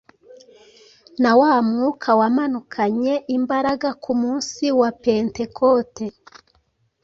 na wa Mwuka wamanukanye imbaraga ku munsi wa Pentekote